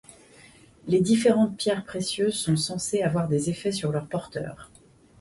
Les différentes pierres précieuses sont censées avoir des effets sur leurs porteurs.